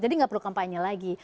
jadi gak perlu kampanye lagi